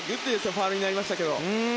ファウルになりましたけど。